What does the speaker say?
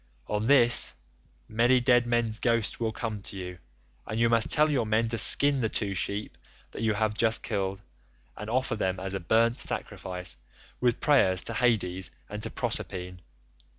On this, many dead men's ghosts will come to you, and you must tell your men to skin the two sheep that you have just killed, and offer them as a burnt sacrifice with prayers to Hades and to Proserpine.